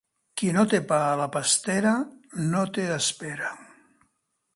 Qui no té pa a la pastera, no té espera.